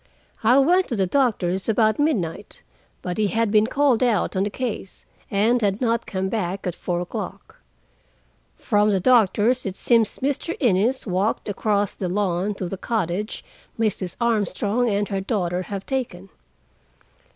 I went to the doctor's about midnight, but he had been called out on a case, and had not come back at four o'clock. From the doctor's it seems Mr. Innes walked across the lawn to the cottage Mrs. Armstrong and her daughter have taken.